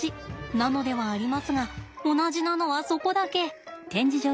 なのではありますが同じなのはそこだけ。